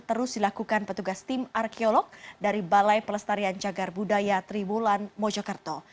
terus dilakukan petugas tim arkeolog dari balai pelestarian cagar budaya triwulan mojokerto